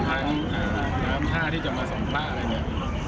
โดนทั้งน้ำผ้าที่จะมาส่องผ้าอะไรเนี่ย